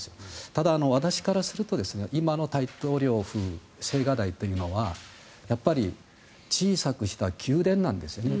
ただ、私からすると今の大統領府青瓦台というのはやっぱり小さくした宮殿なんですよね。